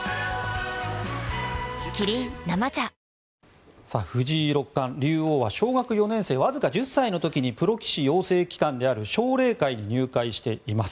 キリン「生茶」藤井六冠、竜王は小学４年生わずか１０歳の時にプロ棋士養成機関である奨励会に入会しております。